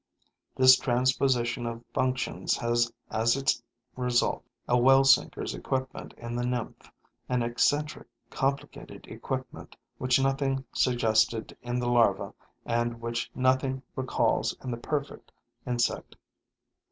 This transposition of functions has as its result a well sinker's equipment in the nymph, an eccentric, complicated equipment which nothing suggested in the larva and which nothing recalls in the perfect insect.